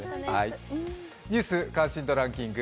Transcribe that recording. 「ニュース関心度ランキング」